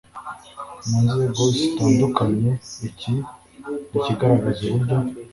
mu nzego zitandukanye Iki nikigaragaza uburyo